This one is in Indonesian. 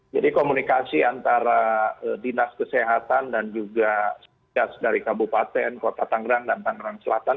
jadi komunikasi antara dinas kesehatan dan juga dinas dari kabupaten kota tangerang dan tangerang selatan